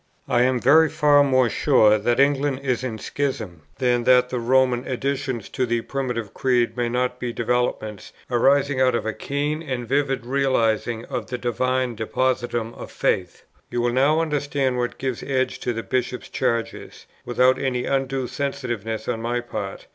I am very far more sure that England is in schism, than that the Roman additions to the Primitive Creed may not be developments, arising out of a keen and vivid realizing of the Divine Depositum of Faith. "You will now understand what gives edge to the Bishops' Charges, without any undue sensitiveness on my part.